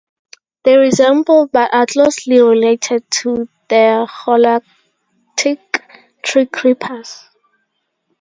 They resemble, but are not closely related to, the Holarctic treecreepers.